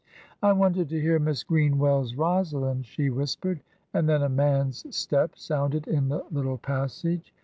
"I wanted to hear Miss Greenwell's Rosalind," she whispered. And then a man's step sounded in the little passage.